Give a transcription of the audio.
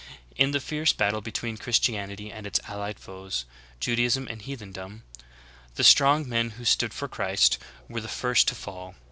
In the fierce battle between Christianity and its allied foes — Judaism and heath endom — the strong men who stood for Christ were the first to fall.